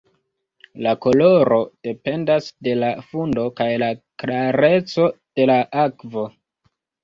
La koloro dependas de la fundo kaj la klareco de la akvo.